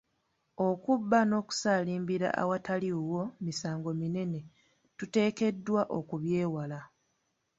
Okubba, n'okusaalimbira awatali wuwo misango minene, tuteekeddwa okubyewala.